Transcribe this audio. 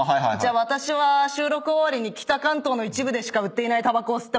私は収録終わりに北関東の一部でしか売っていないたばこを吸って待ってますわ。